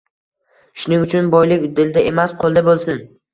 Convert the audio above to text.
Shuning uchun boylik dilda emas, qo‘lda bo‘lsin.